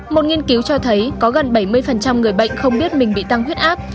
một nghiên cứu cho thấy có gần bảy mươi người bệnh không biết mình bị tăng huyết áp